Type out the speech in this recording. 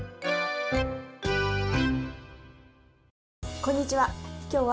こんにちは。